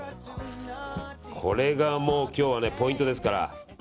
これが今日はポイントですから。